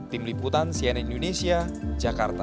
tim liputan cnn indonesia jakarta